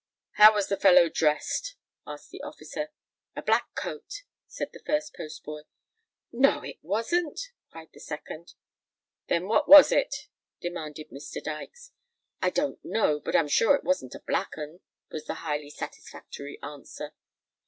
"How was the fellow dressed?" asked the officer. "A black coat," said the first postboy. "No—it wasn't," cried the second. "Then what was it?" demanded Mr. Dykes. "I don't know—but I'm sure it wasn't a black 'un," was the highly satisfactory answer.